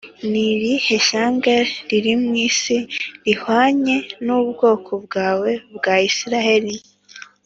Ni irihe shyanga riri mu isi rihwanye n’ubwoko bwawe bwa Isirayeli?